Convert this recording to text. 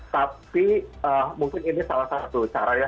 tapi mungkin ini salah satu cara ya